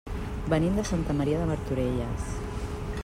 Venim de Santa Maria de Martorelles.